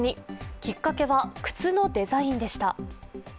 きっかけは靴のデザインでした。